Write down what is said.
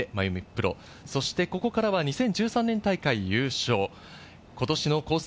プロ、そしてここからは２０１３年大会優勝、今年のコース